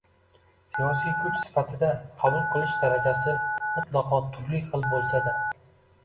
siyosiy kuch sifatida qabul qilish darajasi mutlaqo turli xil bo‘lsa-da;